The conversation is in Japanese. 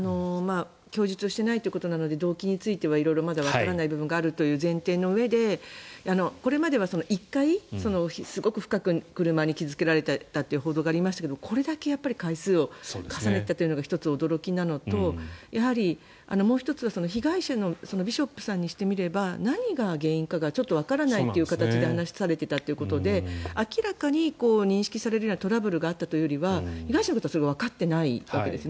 供述していないということなので動機については色々わからないところがあるという前提でこれまでは１回、すごく深く車に傷付けられたっていう報道がありましたけどこれだけ回数を重ねていたというのが１つ驚きなのとやはり、もう１つ被害者のビショップさんにしてみれば何が原因かわからないという形で話されていたということで明らかに認識されるようなトラブルがあったというよりは被害者からするとわかっていないわけですよね